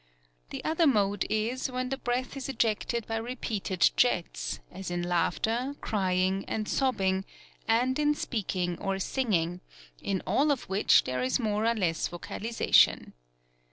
The other mode is when the breath is ejected oy repeated jets, as in laughter, crying and sobbing, and in speaking or singing, in all of which there is more or less vocal ization.